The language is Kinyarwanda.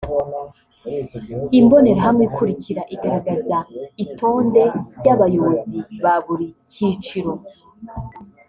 Imbonerahamwe ikurikira igaragaza itonde ry’abayobozi ba buri cyiciro